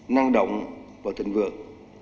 năng động và thịnh vượt